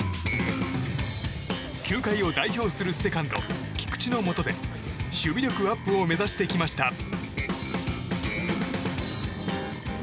球界を代表するセカンド菊池のもとで守備力アップを目指してきました。